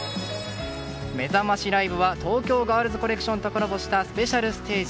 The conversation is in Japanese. めざましライブは東京ガールズコレクションとコラボしたスペシャルステージ。